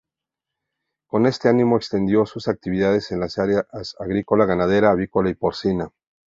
Con este ánimo extendió sus actividades en las áreas agrícola, ganadera, avícola y porcina.